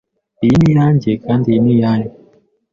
Iyi ni iyanjye, kandi iyi ni iyanyu.